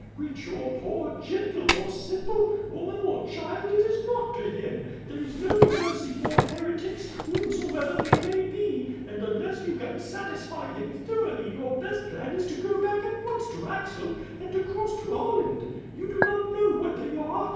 Rich or poor, gentle or simple, woman or child, it is nought to him. There is no mercy for heretics, whomsoever they may be; and unless you can satisfy him thoroughly your best plan is to go back at once to Axel, and to cross to Holland. You do not know what they are.